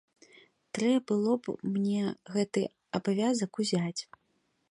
Трэ было б мне гэты абавязак узяць.